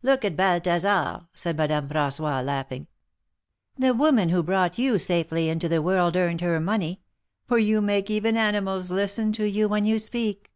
Look at Balthasar," said Madame Fran9ois, laughing. ^^The woman who brought you safely into the world THE MARKETS OF PARIS. 213 earned her money ; for you make even animals listen to you when you speak